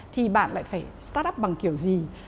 thì bạn lại phải start up bằng kiểu gì